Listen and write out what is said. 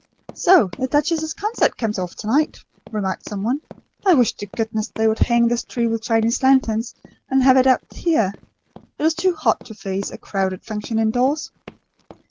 "So the duchess's concert comes off to night," remarked some one. "I wish to goodness they would hang this tree with Chinese lanterns and, have it out here. It is too hot to face a crowded function indoors."